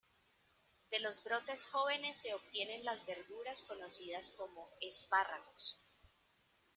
De los brotes jóvenes se obtienen las verduras conocidas como "espárragos".